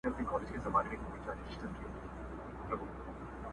ستوني به وچ خولې به ګنډلي وي ګونګي به ګرځو٫